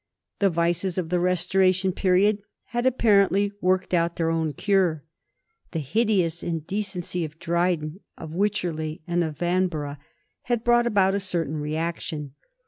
The vices of the Restoration period had apparently work ed out their own cure. The hideous indecency of Dryden, of Wycherley, and of Vanbrugh had brought about a cer tain reaction.